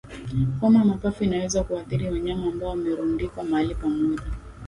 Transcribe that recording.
Homa ya mapafu inaweza kuathiri wanyama ambao wamerundikwa mahali pamoja